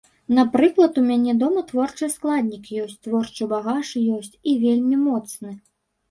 Напрыклад у мяне дома творчы складнік ёсць, творчы багаж ёсць і вельмі моцны.